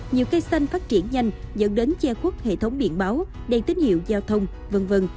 nhiều cây xanh phát triển nhanh dẫn đến che khuất hệ thống điện báo đèn tín hiệu giao thông v v